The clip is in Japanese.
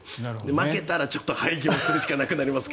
負けたらちょっと廃業するしかなくなりますが。